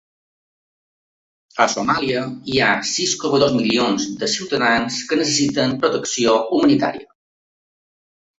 A Somàlia hi ha sis coma dos milions de ciutadans que necessiten protecció humanitària.